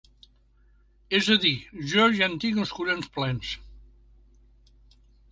És a dir: jo ja en tinc els collons plens.